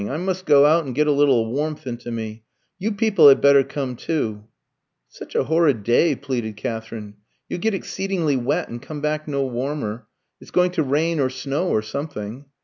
I must go out and get a little warmth into me. You people had better come too." "It's such a horrid day," pleaded Katherine. "You'll get exceedingly wet, and come back no warmer. It's going to rain or snow, or something."